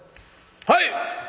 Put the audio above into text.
「はい！」。